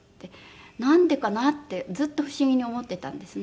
なんでかなってずっと不思議に思ってたんですね。